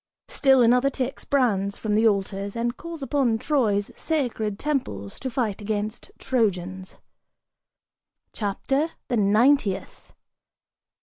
Still another takes brands from the altars, And calls upon Troy's sacred temples to fight against Trojans." CHAPTER THE NINTIETH.